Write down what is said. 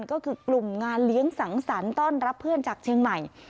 ก็คือกลุ่มงานเลี้ยงสังสรรค์ต้อนรับเพื่อนจากเชียงใหม่